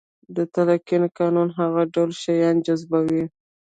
د تلقين قانون هغه ټول شيان جذبوي.